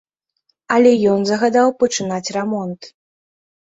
Але ён загадаў пачынаць рамонт.